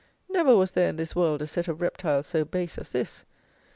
Never was there in this world a set of reptiles so base as this.